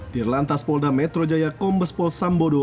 di lantas polda metro jaya kombes pol sambodo